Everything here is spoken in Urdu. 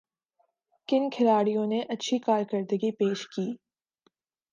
کن کھلاڑیوں نے اچھی کارکردگی پیش کی